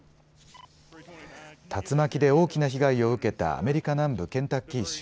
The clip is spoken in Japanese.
竜巻で大きな被害を受けたアメリカ南部ケンタッキー州。